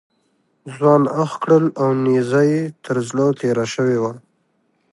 ځوان اخ کړل او نیزه یې تر زړه تېره شوې وه.